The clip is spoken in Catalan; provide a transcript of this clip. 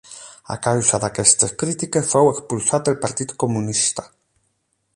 A causa d'aquestes crítiques fou expulsat del Partit Comunista.